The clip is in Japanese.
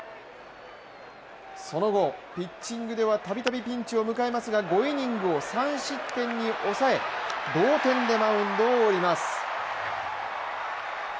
その後、ピッチングではたびたびピンチを迎えますが５イニングを３失点に抑え同点でマウンドを降ります。